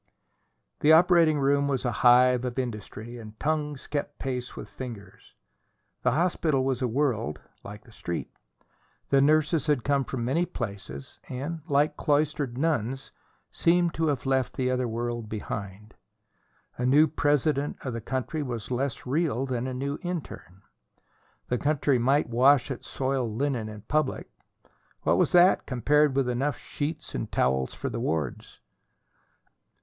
The operating room was a hive of industry, and tongues kept pace with fingers. The hospital was a world, like the Street. The nurses had come from many places, and, like cloistered nuns, seemed to have left the other world behind. A new President of the country was less real than a new interne. The country might wash its soiled linen in public; what was that compared with enough sheets and towels for the wards?